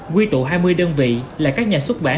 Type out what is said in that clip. quy tụ hai mươi đơn vị là các nhà xuất bản